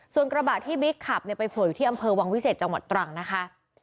ส่วนกระบะที่บิ๊กขับไปโผล่อยู่ที่อำเภอวังวิเศษจังหวัดตรังนะคะ